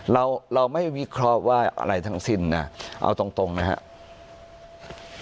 เราเราไม่วิเคราะห์ว่าอะไรทั้งสิ้นนะเอาตรงนะครับ